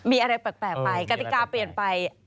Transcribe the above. มีอะไรแปลกไปกติกาเปลี่ยนไป